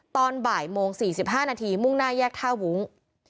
ตอนบ่ายโมง๔๕นาทีมุ่งหน้าแยกท่าวุ้ง